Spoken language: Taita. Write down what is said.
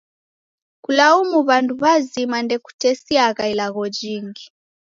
Kulaumu w'andu w'azima ndokutesiagha ilagho jingi.